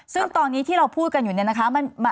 ซึ่งตอนนี้ที่เราพูดกันอยู่เนี่ยนะคะ